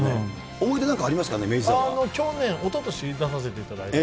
思い出なんかありますかね、去年、おととし、出させていただいて。